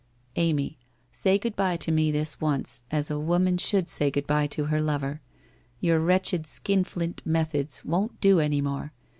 ' Amy, say good bye to me this once, as a woman should say good bye to her lover. Your wretched skinflint methods won't do any more.